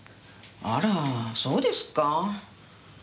あらそうですか？